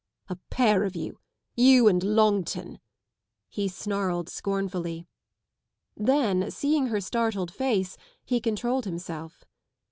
" A pair of you ! You and Longton ŌĆö 1" he snarled scornfully. Then, seeing her startled face, he controlled himself.